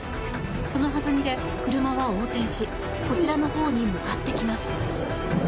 そのはずみで車は横転しこちらのほうに向かってきます。